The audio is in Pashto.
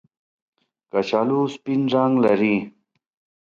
کچالو سپین رنګ لري